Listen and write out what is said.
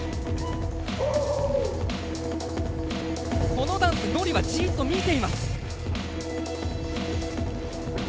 このダンスＮＯＲＩはじっと見ています。